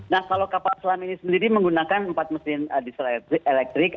nah kalau kapal selam ini sendiri menggunakan empat mesin elektrik